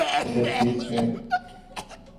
یہ test case ہے۔